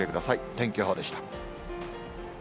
天気予報でした。